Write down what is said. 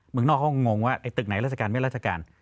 เมืองนอกเขาก็งงว่าไอ้ตึกไหนราชการไม่ราชการ